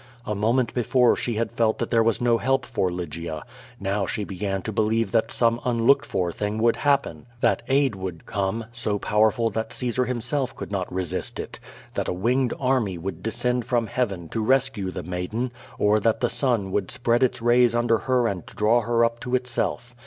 A moment before slie had felt that there was no help for Lygia. Now she began to believe that some unlooked for thing would happen, that aid would come, so powerful that Caesar himself could not resist it; that a winged army would descend from heaven to rescue the maiden, or that the sun would spread its rays under her and draw her up to itself.